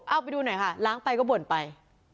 เอาไปดูหน่อยค่ะล้างไปก็บ่นไป